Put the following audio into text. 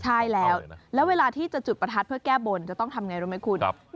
ใช่แล้วแล้วเวลาที่จะจุดประทัดเพื่อแก้บนจะต้องทำไงรู้ไหมคุณ